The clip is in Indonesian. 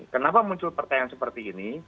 kenapa muncul pertanyaan seperti ini